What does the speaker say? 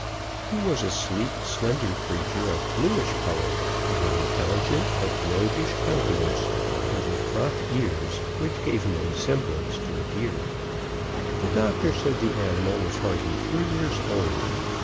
He was a sleek, slender creature of blush color, with an intelligent but roguish countenance, and with cropped ears which gave him a semblance to a deer. The doctor said the animal was hardly three years old.